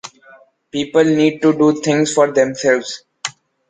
People need to do things for themselves.